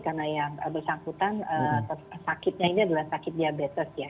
karena yang bersangkutan sakitnya ini adalah sakit diabetes ya